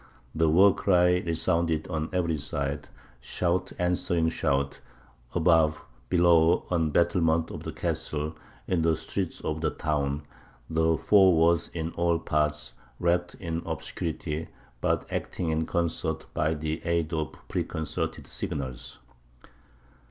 The war cry resounded on every side, shout answering shout, above, below, on the battlements of the castle, in the streets of the town; the foe was in all parts, wrapped in obscurity, but acting in concert by the aid of preconcerted signals.